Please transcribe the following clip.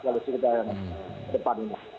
koalisi kita yang depan ini